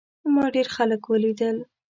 ما ډېر خلک ولیدل.